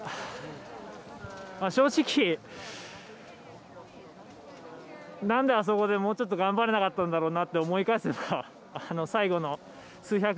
正直なんであそこでもうちょっと頑張れなかったんだろうなって思い返すような最後の数１００ｍ。